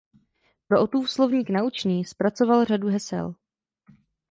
Pro "Ottův slovník naučný" zpracoval řadu hesel.